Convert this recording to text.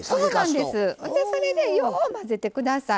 それでよう混ぜてください。